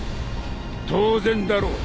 当然だろう。